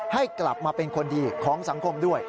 ให้กลับมาเป็นคนดีของสังคมด้วย